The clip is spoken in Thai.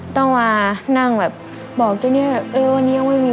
ต้องมานั่งแบบบอกเจ้าเนี่ยเออวันนี้ยังไม่มี